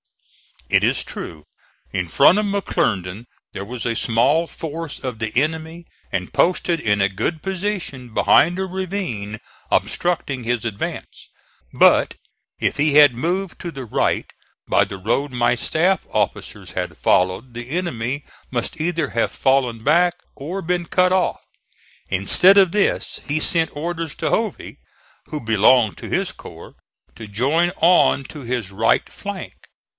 It is true, in front of McClernand there was a small force of the enemy and posted in a good position behind a ravine obstructing his advance; but if he had moved to the right by the road my staff officers had followed the enemy must either have fallen back or been cut off. Instead of this he sent orders to Hovey, who belonged to his corps, to join on to his right flank.